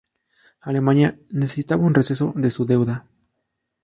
Alemania necesitaba un receso de su deuda.